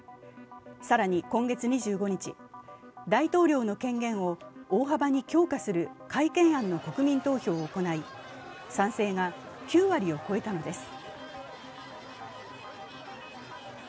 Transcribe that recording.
更に今月２５日、大統領の権限を大幅に強化する改憲案の国民投票を行い、賛成が９割を超えたのです。